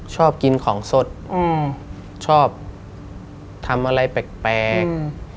ชอบกินของสดอืมชอบทำอะไรแปลก